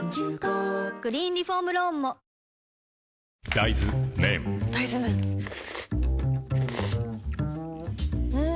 大豆麺ん？